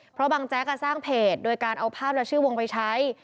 เพราะบางแจ๊กสร้างเพจโดยการเอาภาพและชื่อวงไปใช้